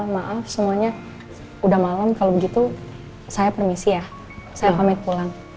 maaf semuanya udah malam kalau begitu saya permisi ya saya pamit pulang